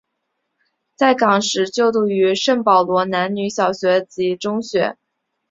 在港时就读于圣保罗男女小学及中学。